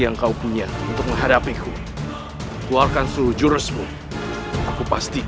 aku akan menemukan sosok asli